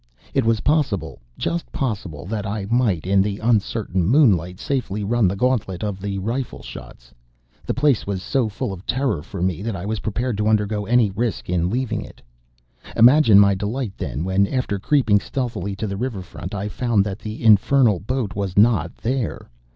It was possible, just possible, that I might, in the uncertain moonlight, safely run the gauntlet of the rifle shots. The place was so full of terror for me that I was prepared to undergo any risk in leaving it. Imagine my delight, then, when after creeping stealthily to the river front I found that the infernal boat was not there.